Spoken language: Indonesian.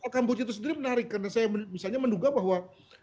kamboja itu sendiri menarik karena saya misalnya menduga bahwa